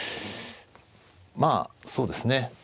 まあそうですね